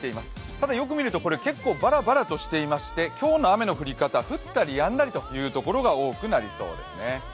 ただよく見ると、結構バラバラとしていまして、今日の雨の降り方、降ったりやんだりというところが多くなりそうですね。